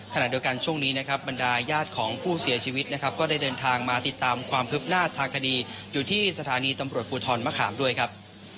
ขณะเดียวกันช่วงนี้นะครับบรรดายญาติของผู้เสียชีวิตนะครับก็ได้เดินทางมาติดตามความคืบหน้าทางคดีอยู่ที่สถานีตำรวจภูทรมะขามด้วยครับ